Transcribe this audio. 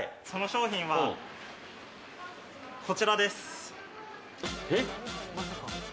その商品は、こちらです。